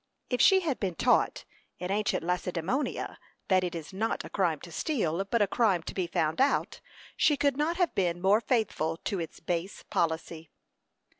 If she had been taught in ancient Lacedæmonia that it is not a crime to steal, but a crime to be found out, she could not have been more faithful to its base policy.